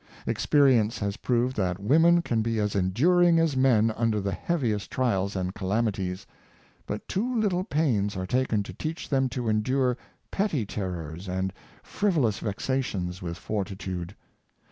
Ex perience has proved that women can be as enduring as men under the heaviest trials and calamities; but too Moral Strength of Women, 465 little pains are taken to teach them to endure petty ter rors and frivolous vexations with fortitude.